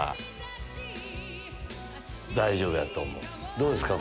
どうですか？